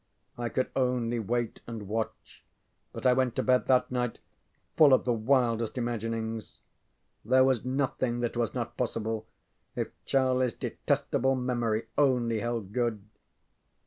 I could only wait and watch, but I went to bed that night full of the wildest imaginings. There was nothing that was not possible if CharlieŌĆÖs detestable memory only held good.